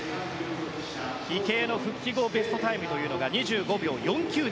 池江の復帰後ベストタイムが２５秒４９。